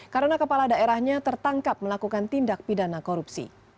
karena kepala daerahnya tertangkap melakukan tindak pidana korupsi